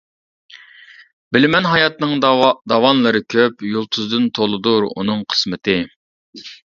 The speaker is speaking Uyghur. بىلىمەن ھاياتنىڭ داۋانلىرى كۆپ، يۇلتۇزدىن تولىدۇر ئۇنىڭ قىسمىتى.